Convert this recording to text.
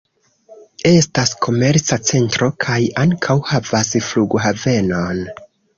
Estas komerca centro kaj ankaŭ havas flughavenon.